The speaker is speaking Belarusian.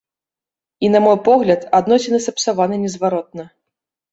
І, на мой погляд, адносіны сапсаваны незваротна.